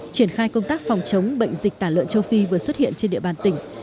triển khai công tác phòng chống bệnh dịch tả lợn châu phi vừa xuất hiện trên địa bàn tỉnh